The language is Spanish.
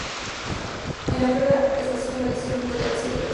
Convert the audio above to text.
En la propia estación fallecieron un total de siete personas.